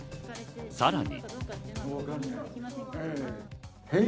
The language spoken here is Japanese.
さらに。